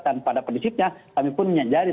dan pada kondisipnya kami pun menyanjari